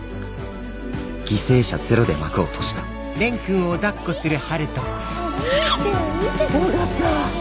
犠牲者ゼロで幕を閉じた蓮くん。よかった。